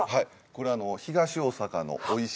これ東大阪のおいしい。